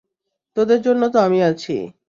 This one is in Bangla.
তোদের জন্য তো আমি আছি।